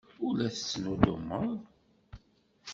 Ur la tettnuddumeḍ.